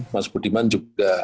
mas budiman juga